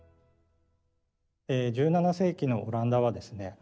１７世紀のオランダはですね